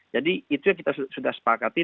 jadi itu yang kita sudah sepakatkan